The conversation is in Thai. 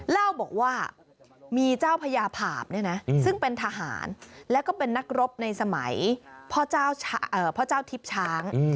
เล่าบอกว่ามีเจ้าพญาภาพซึ่งเป็นทหารแล้วก็เป็นนักรบในสมัยพ่อเจ้าทิพย์ช้าง